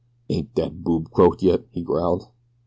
"Ain't dat boob croaked yet?" he growled.